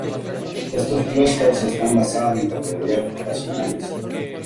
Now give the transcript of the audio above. Estos clústers están basados en categorías ocupacionales.